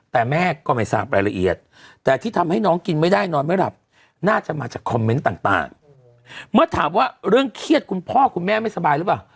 แต่แม่ก็ไม่ทราบรายละเอียดแต่ที่ทำให้น้องกินไม่ได้นอนไม่หลับน่าจะมาจากคอมเมนต์ต่างเมื่อถามว่าเรื่องเครียดคุณพ่อคุณแม่ไม่สบายหรือเปล่า